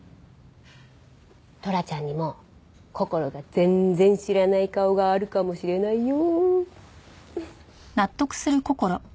トラちゃんにもこころが全然知らない顔があるかもしれないよ。